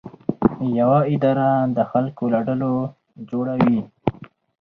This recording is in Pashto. یوه اداره د خلکو له ډلو جوړه وي.